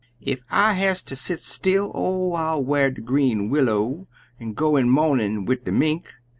"Ef I has ter set still, oh, I'll w'ar de green willow, An' go in mo'nin' wid de Mink!